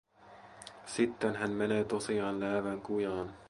Sitten hän menee tosiaan läävän kujaan.